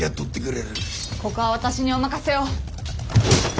ここは私にお任せを。